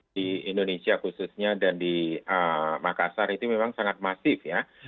di indonesia khususnya dan di makassar itu memang sangat masif ya